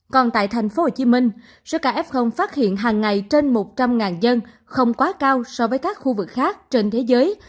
còn tại tp hcm số ca f phát hiện hàng ngày trên một trăm linh dân không quá cao so với các khu vực khác trên thế giới